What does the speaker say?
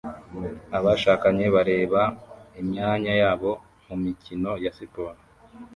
Abashakanye bareba imyanya yabo mumikino ya siporo